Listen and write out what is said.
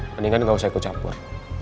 mendingan gak usah ikut campur